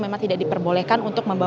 memang tidak diperbolehkan untuk membawa